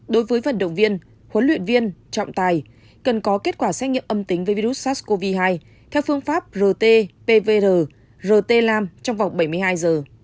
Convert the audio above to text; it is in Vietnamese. đối với vận động viên huấn luyện viên trọng tài cần có kết quả xét nghiệm âm tính với virus sars cov hai theo phương pháp rt pvr rt lam trong vòng bảy mươi hai giờ